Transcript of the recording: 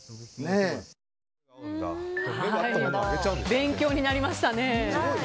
勉強になりましたね。